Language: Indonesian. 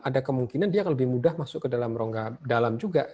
ada kemungkinan dia akan lebih mudah masuk ke dalam rongga dalam juga